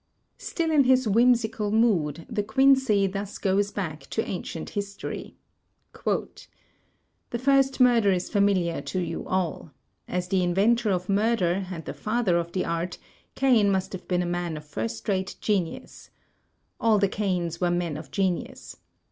Still in his whimsical mood, De Quincey thus goes back to Ancient History: "The first murder is familiar to you all. As the inventor of murder, and the father of the art, Cain must have MURDER IN GENERAL 223 man of first rate genius. All the Cains were men of genius.